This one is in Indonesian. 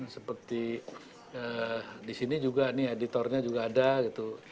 seperti disini juga nih editornya juga ada gitu